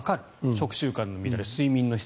食習慣の乱れ、睡眠の質